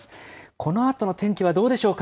このあとの天気はどうでしょうか？